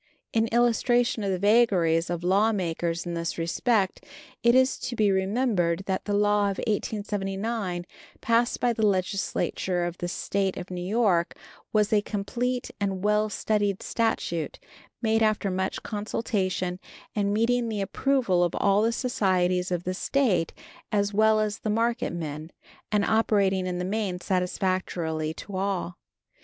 In illustration of the vagaries of lawmakers in this respect, it is to be remembered that the law of 1879, passed by the Legislature of the State of New York, was a complete and well studied statute, made after much consultation, and meeting the approval of all the societies of the State, as well as the market men, and operated in the main satisfactorily to all.